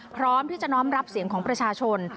พร้อมที่จะน้อมรับเสียงของประชาชน